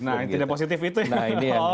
nah yang tidak positif itu ya nah ini yang